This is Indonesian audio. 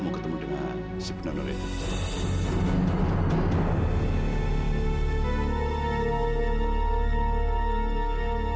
mau ketemu dengan si pendonor itu